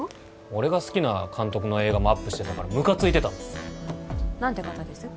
俺が好きな監督の映画もアップしてたからムカついてたんです何て方です？